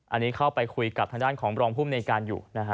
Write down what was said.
อันนี้เข้าไปคุยกับทางด้านของรองภูมิในการอยู่นะฮะ